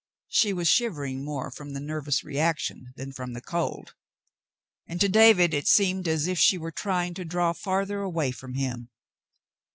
She was shivering more from the nervous reaction than from the cold, and to David it seemed as if she were trying to draw farther away from him.